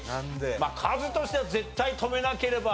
カズとしては絶対止めなければ。